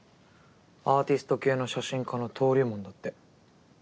アーティスト系の写真家の登竜門だって。